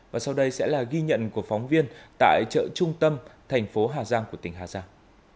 và sau đây sẽ là ghi nhận của phóng viên tại chợ trung tâm thành phố hà giang của tỉnh hà giang